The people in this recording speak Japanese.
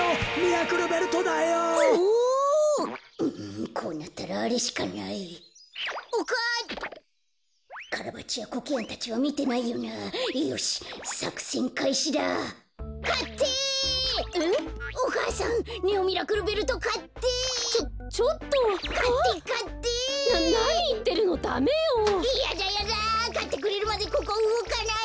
かってくれるまでここうごかない！